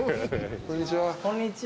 こんにちは。